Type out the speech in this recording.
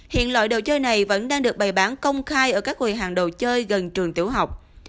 hiện loại đồ chơi này vẫn đang được bày bán công khai ở các quầy hàng đồ chơi gần trường tiểu học